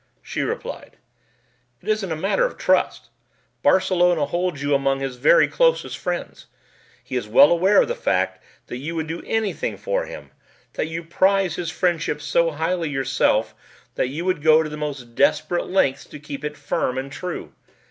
She replied, "It isn't a matter of trust. Barcelona holds you among his very closest friends. He is well aware of the fact that you would do anything for him, that you prize his friendship so highly yourself that you would go to the most desperate lengths to keep it firm and true.